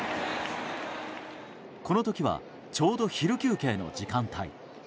この時はちょうど昼休憩の時間帯。